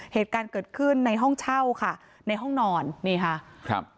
เหตุการณ์เกิดขึ้นในห้องเช่าค่ะในห้องนอนนี่ค่ะครับ